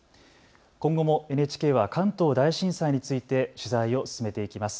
今後もＮＨＫは関東大震災について取材を進めていきます。